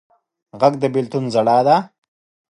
غږ د بېلتون ژړا ده